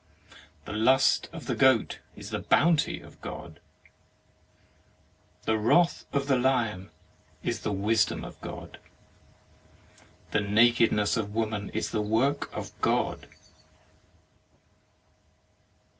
The lust of the goat is the bounty of God. The wrath of the lion is the wisdom of God. The nakedness of woman is the work of God.